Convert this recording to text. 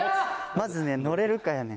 まずね乗れるかやねん。